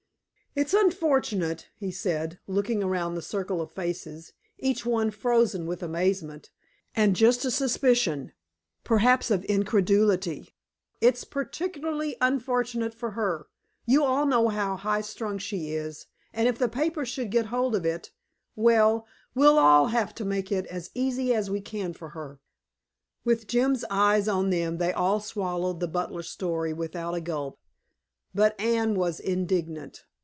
"It's unfortunate," he said, looking around the circle of faces, each one frozen with amazement, and just a suspicion, perhaps of incredulity. "It's particularly unfortunate for her. You all know how high strung she is, and if the papers should get hold of it well, we'll all have to make it as easy as we can for her." With Jim's eyes on them, they all swallowed the butler story without a gulp. But Anne was indignant.